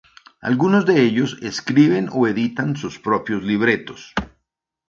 Algunos de ellos escriben o editan sus propios libretos.